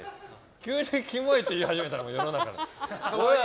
急にキモいって言い始めたのも世の中の人たち。